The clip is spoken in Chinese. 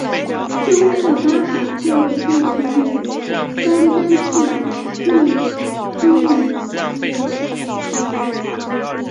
宗喀巴法座的继承人甘丹赤巴即居于此寺。